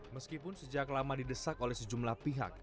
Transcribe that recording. meskipun sejak lama didesak oleh sejumlah pihak